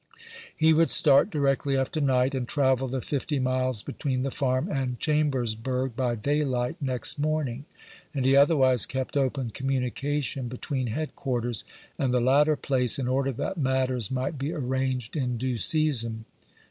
He would start directly after night, and travel the fifty miles between the Farm and Chambersbnrg by daylight next morning ; and he otherwise kept open communication between head quarters and the latter place, in order that matters might be arranged in due season.